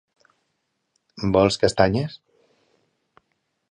Vols castanyes?